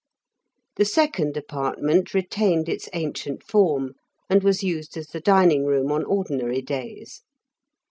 The second apartment retained its ancient form, and was used as the dining room on ordinary days.